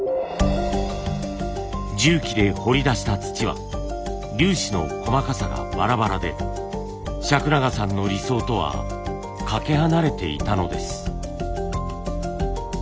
重機で掘り出した土は粒子の細かさがバラバラで釋永さんの理想とはかけ離れていたのです。